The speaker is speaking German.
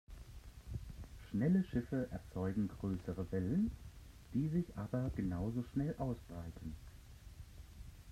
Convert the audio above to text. Schnelle Schiffe erzeugen größere Wellen, die sich aber genauso schnell ausbreiten.